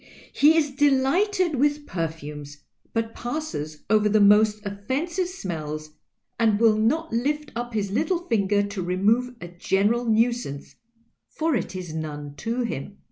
He is deliglited with perfumes, but passes over the most offensive smells and will not lift up his little finger to remove a general nuisance, for it is none to him."'